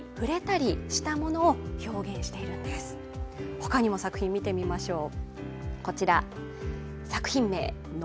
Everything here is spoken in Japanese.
他にも作品、見てみましょう。